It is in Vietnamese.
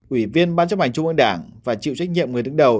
ủy viên ban chấp hành trung ương đảng và chịu trách nhiệm người đứng đầu